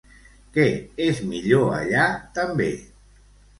Què és millor allà també?